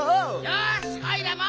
よしおいらも！